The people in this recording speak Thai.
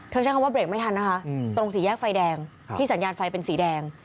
ใช้คำว่าเบรกไม่ทันนะคะตรงสี่แยกไฟแดงที่สัญญาณไฟเป็นสีแดง